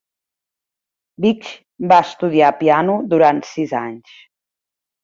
Vig va estudiar piano durant sis anys.